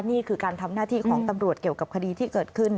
นี่คือการทำหน้าที่ของตำรวจเกี่ยวกับคดีที่เกิดขึ้น